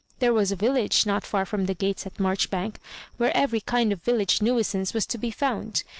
There was a village, not far from the gates at Marchbank, where every kind of village nuisance was to be found.